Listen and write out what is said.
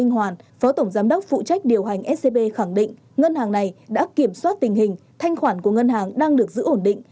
hoảng định ngân hàng này đã kiểm soát tình hình thanh khoản của ngân hàng đang được giữ ổn định